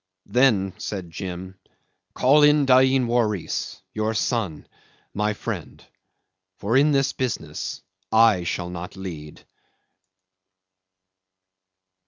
"Then," said Jim, "call in Dain Waris, your son, my friend, for in this business I shall not lead."